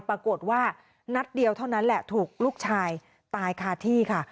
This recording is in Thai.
ปรากฏว่านัดเดียวเท่านั้นแหละถูกลูกชายตายคาที่ค่ะ